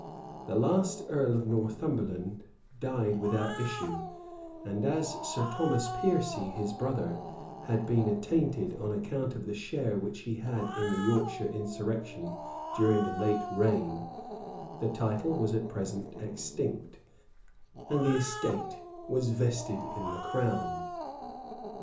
The last earl of Northumberland died without issue; and as Sir Thomas Piercy, his brother, had been attainted on account of the share which he had in the Yorkshire insurrection during the late reign, the title was at present extinct, and the estate was vested in the crown.